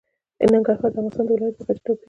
ننګرهار د افغانستان د ولایاتو په کچه توپیر لري.